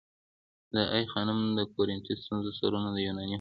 د آی خانم د کورینتی ستونو سرونه د یوناني هنر دي